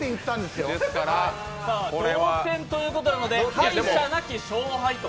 同点ということなので敗者なき同点と。